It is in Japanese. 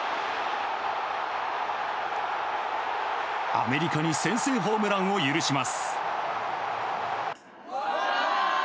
アメリカに先制ホームランを許します。